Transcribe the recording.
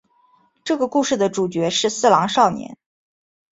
这个故事的主角是四郎少年。